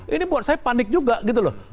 ini buat saya panik juga gitu loh